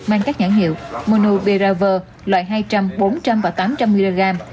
mang các nhãn hiệu monubiravia loại hai trăm linh bốn trăm linh và tám trăm linh mg